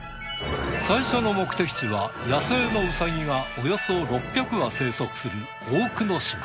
最初の目的地は野生のウサギがおよそ６００羽生息する大久野島。